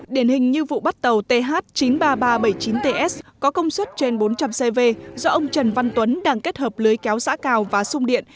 điển hình như vụ bắt tàu th chín mươi ba nghìn ba trăm bảy mươi chín ts có công suất trên bốn trăm linh cv do ông trần văn tuấn đang kết hợp lưới kéo giã cào và sung điện